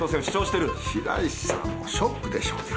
白石さんもショックでしょうな。